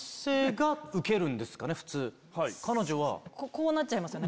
こうなっちゃいますよね。